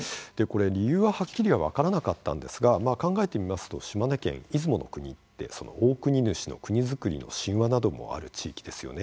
理由は、はっきりは分からなかったんですが考えてみますと島根県、出雲の国ってオオクニヌシの国造りの神話などもある地域ですよね。